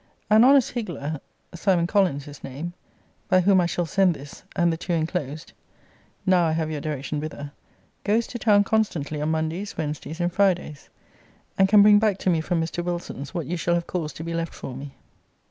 An honest higler, [Simon Collins his name,] by whom I shall send this, and the two enclosed, (now I have your direction whither,) goes to town constantly on Mondays, Wednesdays, and Fridays; and can bring back to me from Mr. Wilson's what you shall have caused to be left for me.